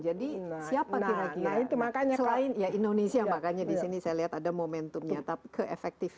jadi siapa kira kira selain indonesia makanya disini saya lihat ada momentumnya ke effective